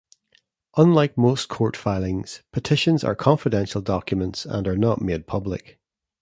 Unlike most court filings, petitions are confidential documents and are not made public.